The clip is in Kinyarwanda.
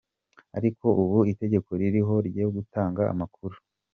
Ariko ubu itegeko ririho ryo gutanga amakuru.